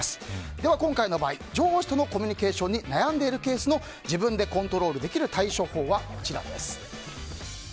では今回の場合上司とのコミュニケーションに悩んでいるケースの自分でコントロールできる対処法はこちら。